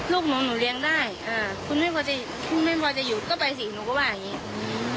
ลูกหนูหนูเลี้ยงได้คุณไม่พอจะอยู่ก็ไปสิหนูก็ว่าอย่างนี้